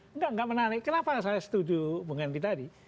enggak enggak menarik kenapa saya setuju bung henry tadi